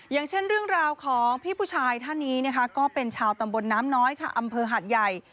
อย่างเช่นเรื่องราวของพี่ผู้ชายท่านนี้นะคะก็เป็นชาวตำบลน้ำน้อยค่ะอำเภอหาดใหญ่